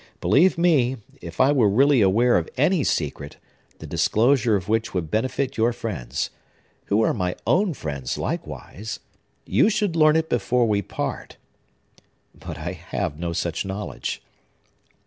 Believe me, if I were really aware of any secret, the disclosure of which would benefit your friends,—who are my own friends, likewise,—you should learn it before we part. But I have no such knowledge."